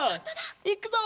いくぞ！